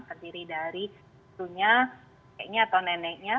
terdiri dari tunya atau neneknya